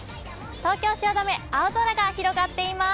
東京・汐留、青空が広がっています。